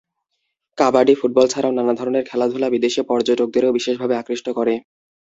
Kabaddi, football ছাড়াও নানা ধরনের খেলাধুলা বিদেশি পর্যটকদেরও বিশেষভাবে আকৃষ্ট করে।